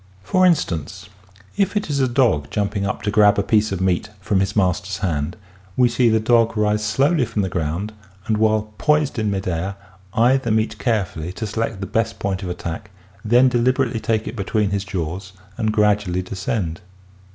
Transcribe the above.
For instance, if it is a dog jump ing up to grab a piece of meat from his master's hand, we see the dog rise slowly from the ground and, while poised in mid air, eye the meat carefully to select the best point of attack, then deliberately take it between his jaws and gradually descend.